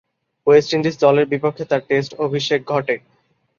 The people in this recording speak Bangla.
ওয়েস্ট ইন্ডিজ দলের বিপক্ষে তার টেস্ট অভিষেক ঘটে।